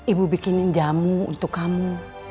ibu bikinin jamu untuk kamu